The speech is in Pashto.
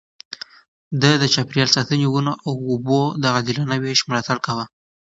ده د چاپېريال ساتنې، ونو او اوبو د عادلانه وېش ملاتړ کاوه.